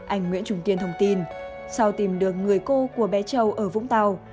anh nguyễn trung kiên thông tin sau tìm được người cô của bé châu ở vũng tàu